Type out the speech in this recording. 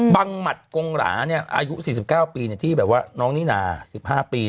หมัดกงหราอายุ๔๙ปีที่แบบว่าน้องนิน่า๑๕ปี